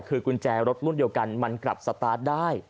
คือกุญแจรถรุ่นเดียวกันมันกลับสตาร์ทได้